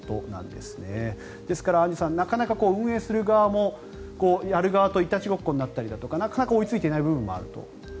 ですから、アンジュさんなかなか運営する側もやる側といたちごっこになったりだとかなかなか追いついていない部分もあると。